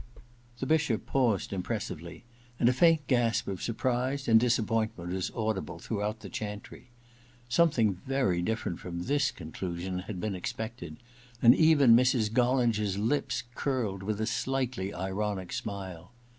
* The Bishop paused impressively, and a faint gasp of surprise and disappointment was audible throughout the chantry. Something very different from this conclusion had been expected, and even Mrs. Gollinger's lips curled with a slightly ironic smile.